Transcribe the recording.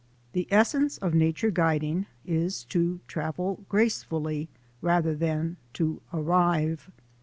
The essence of nature guiding is to travel grace fully rather than to arrive.